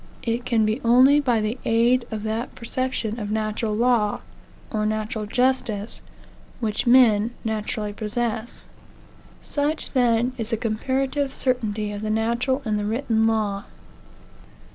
It can be only by the aid of that perception of natural law, or natural justice, which men naturally possess. Such, then, is the comparative certainty of the natural and the written law.